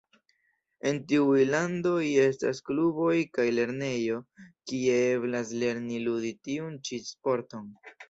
En tiuj landoj estas kluboj kaj lernejoj, kie eblas lerni ludi tiun ĉi sporton.